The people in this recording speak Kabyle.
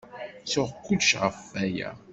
Ttuɣ kullec ɣef waya.